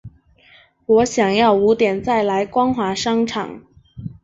我想要五点再来光华商场